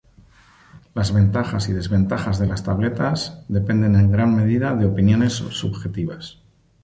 Las ventajas y desventajas de las tabletas dependen en gran medida de opiniones subjetivas.